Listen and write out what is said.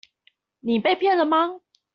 你被騙了嗎？